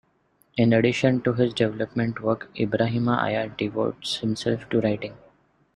In addition to his development work Ibrahima Aya devotes himself to writing.